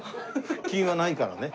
腹筋はないからね。